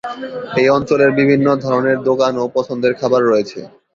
এই অঞ্চলে বিভিন্ন ধরণের দোকান ও পছন্দের খাবার রয়েছে।